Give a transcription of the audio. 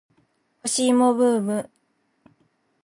干し芋ブーム